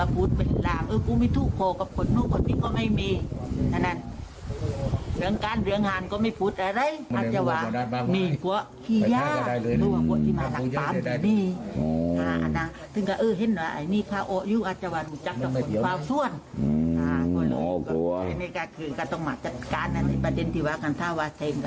อ๋อกลัว